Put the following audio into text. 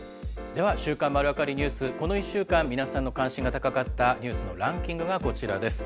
では、週刊まるわかりニュース、この１週間、皆さんの関心が高かったニュースのランキングがこちらです。